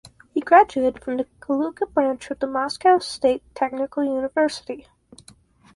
He graduated from the Kaluga branch of the Moscow State Technical University.